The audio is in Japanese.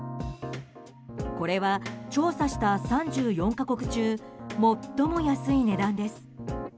これは調査した３４か国中最も安い値段です。